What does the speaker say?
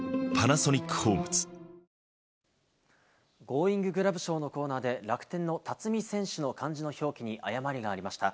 ゴーインググラブ賞のコーナーで、楽天の辰己選手の漢字の表記に誤りがありました。